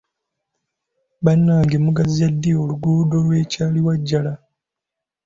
Bannange mugaziya ddi oluguudo lw’e Kyaliwajjala?